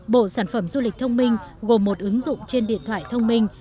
bộ sản phẩm du lịch thông minh gồm một ứng dụng trên điện thoại thông minh